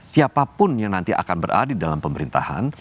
siapapun yang nanti akan berada dalam pemerintahan